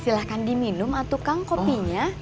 silahkan diminum atukang kopinya